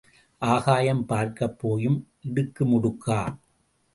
ஆகாயம் பார்க்கப் போயும் இடுமுடுக்கா?